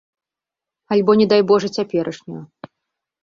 Альбо, не дай божа, цяперашнюю.